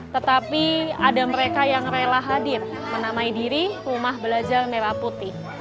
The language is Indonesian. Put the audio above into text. tetapi ada mereka yang rela hadir menamai diri rumah belajar merah putih